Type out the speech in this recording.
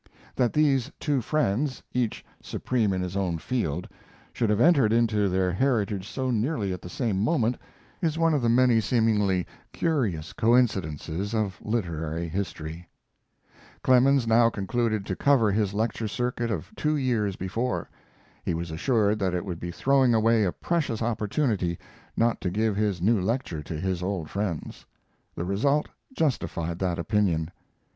That these two friends, each supreme in his own field, should have entered into their heritage so nearly at the same moment, is one of the many seemingly curious coincidences of literary history. Clemens now concluded to cover his lecture circuit of two years before. He was assured that it would be throwing away a precious opportunity not to give his new lecture to his old friends. The result justified that opinion.